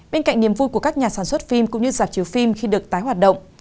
bên cạnh niềm vui của các nhà sản xuất phim cũng như giảm chiếu phim khi được tái hoạt động